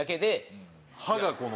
歯がこの。